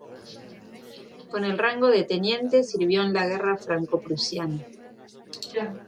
Con el rango de Teniente sirvió en la Guerra franco-prusiana.